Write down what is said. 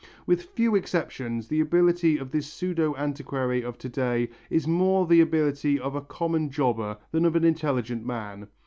With few exceptions, the ability of this pseudo antiquary of to day is more the ability of a common jobber than of an intelligent man.